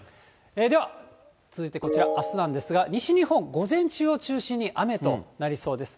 では続いてこちら、あすなんですが、西日本、午前中を中心に雨となりそうです。